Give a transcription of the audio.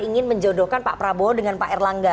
ingin menjodohkan pak prabowo dengan pak erlangga